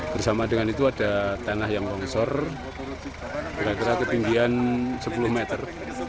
bersama dengan itu ada tanah yang longsor kira kira ketinggian sepuluh meter